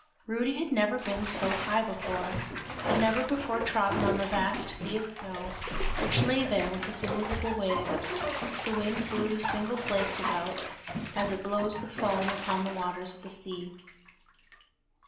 Rudy had never been so high before, had never before trodden on the vast sea of snow, which lay there with its immoveable waves. The wind blew single flakes about, as it blows the foam upon the waters of the sea.